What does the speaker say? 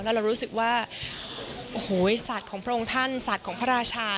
แล้วเรารู้สึกว่าโอ้โหสัตว์ของพระองค์ท่านสัตว์ของพระราชา